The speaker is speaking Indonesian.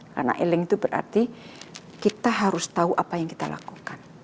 karena eling itu berarti kita harus tahu apa yang kita lakukan